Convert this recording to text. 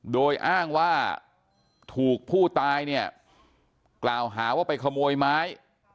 โดยอ้างว่าถูกผู้ตายเนี่ยกล่าวหาว่าไปขโมยไม้